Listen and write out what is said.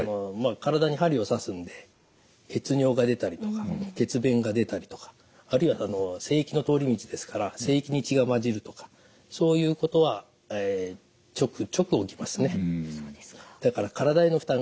体に針を刺すんで血尿が出たりとか血便が出たりとかあるいは精液の通り道ですから精液に血が混じるとかそういうことはちょくちょく起きますね。